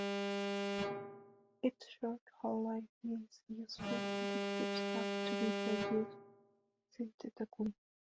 Its short half-life means useful quantities have to be produced synthetically.